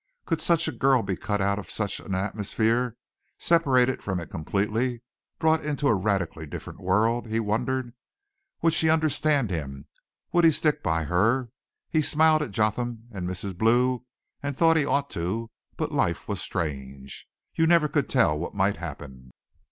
Could such a girl be cut out of such an atmosphere separated from it completely, brought into a radically different world, he wondered. Would she understand him; would he stick by her. He smiled at Jotham and Mrs. Blue and thought he ought to, but life was strange. You never could tell what might happen.